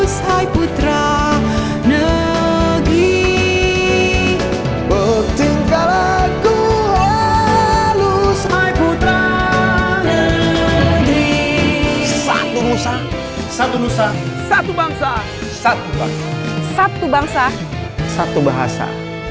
satu bangsa satu bahasa